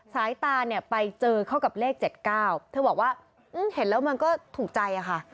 สายตาเนี่ยไปเจอเข้ากับเลข๗๙เธอบอกว่าเห็นแล้วมันก็ถูกใจอะค่ะ